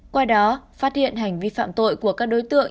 qua đó phát hiện hành vi phạm tội của các đối tượng